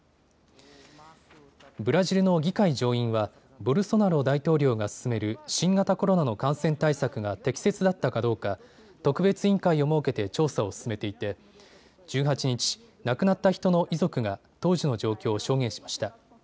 ブラジルの議会上院はボルソナロ大統領が進める新型コロナの感染対策が適切だったかどうか特別委員会を設けて調査を進めていて１８日、亡くなった人の遺族が当時の状況を証言しました。